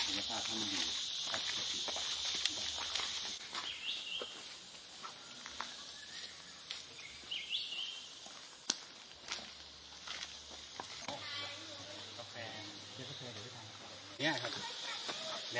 และถึงถึงห้องช้าแค่ที่นี่